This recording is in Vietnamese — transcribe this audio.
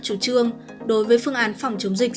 chủ trương đối với phương án phòng chống dịch